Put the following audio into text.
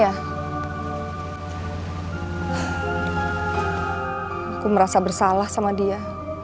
aku merasa bersalah sama dia